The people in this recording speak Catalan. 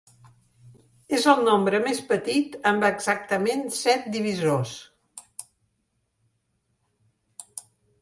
És el nombre més petit amb exactament set divisors.